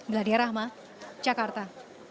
meladia rahma jakarta